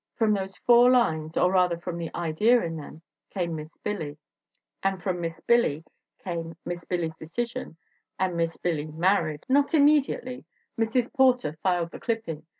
From those four lines, or rather, from the idea in them, came Miss Billy; and from Miss Billy came Miss Billy f s Decision and Miss Billy Married. Not im mediately; Mrs. Porter filed the clipping.